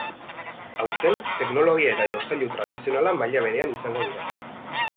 Aurten, teknologia eta jostailu tradizionala maila berean izango dira.